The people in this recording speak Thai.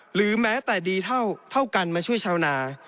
หรือแม้แต่ดีเท่ากันมาช่วยชาวนา